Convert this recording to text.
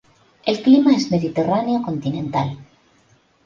El clima es mediterráneo continental.